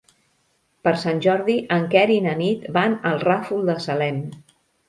Per Sant Jordi en Quer i na Nit van al Ràfol de Salem.